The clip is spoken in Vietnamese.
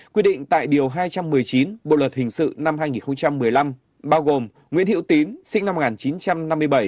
quy định tại điều hai trăm một mươi chín bộ luật hình sự năm hai nghìn một mươi năm bao gồm nguyễn hiệu tín sinh năm một nghìn chín trăm năm mươi bảy